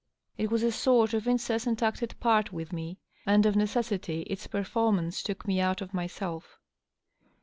It was a sort of incessant acted part with me, and of necessity its perform ance took me out of myself.